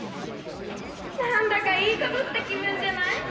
何だかいいことした気分じゃない？